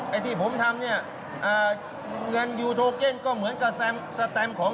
ไอ้ที่ผมทำเงินอยู่โทเก้นก็เหมือนกับสแตมของ๗๑๑